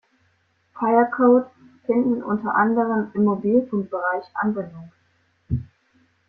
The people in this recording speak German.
Fire-Codes finden unter anderem im Mobilfunkbereich Anwendung.